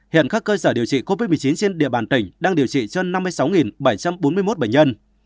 hiện các cơ sở điều trị covid một mươi chín trên địa bàn tỉnh đang điều trị cho năm mươi sáu bảy trăm bốn mươi một bệnh nhân